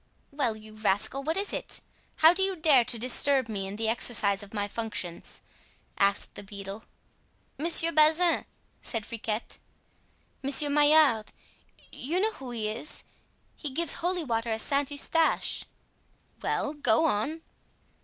"Well, you rascal, what is it? How do you dare to disturb me in the exercise of my functions?" asked the beadle. "Monsieur Bazin," said Friquet, "Monsieur Maillard—you know who he is, he gives holy water at Saint Eustache——" "Well, go on."